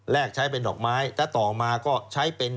ใช้เป็นดอกไม้และต่อมาก็ใช้เป็น